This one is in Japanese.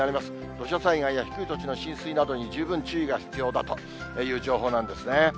土砂災害や低い土地の浸水などに十分注意が必要だという情報なんですね。